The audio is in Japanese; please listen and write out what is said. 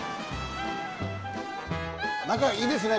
何かいいですね